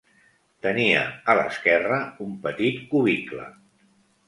Tenia, a l'esquerra, un petit cubicle.